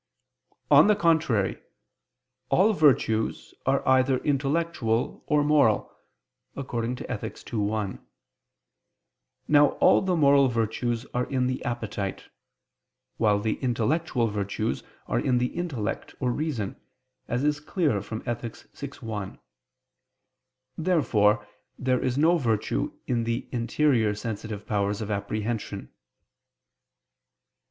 On the contrary, All virtues are either intellectual or moral (Ethic. ii, 1). Now all the moral virtues are in the appetite; while the intellectual virtues are in the intellect or reason, as is clear from Ethic. vi, 1. Therefore there is no virtue in the interior sensitive powers of apprehension.